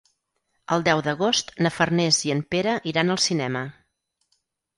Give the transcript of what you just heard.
El deu d'agost na Farners i en Pere iran al cinema.